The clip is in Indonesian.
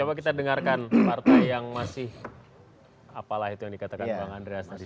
coba kita dengarkan partai yang masih apalah itu yang dikatakan bang andreas tadi